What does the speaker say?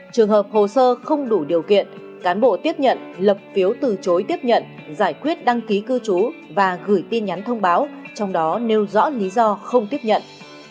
trường hợp hồ sơ không đủ điều kiện cán bộ tiếp nhận lập phiếu từ chối tiếp nhận giải quyết đăng ký cư trú và gửi tin nhắn thông báo trong đó nêu rõ lý do không tiếp nhận